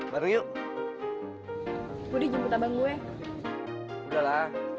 jika ada yang mau ngelakuin